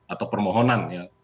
atau permohonan ya kepartai